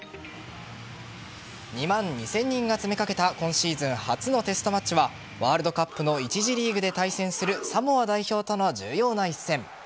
２万２０００人が詰めかけた今シーズン初のテストマッチはワールドカップの１次リーグで対戦するサモア代表との重要な一戦。